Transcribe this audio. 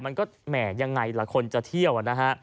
แม่ยังไงละคนจะเที่ยว